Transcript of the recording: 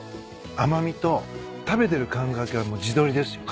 甘みと食べてる感覚は地鶏ですよ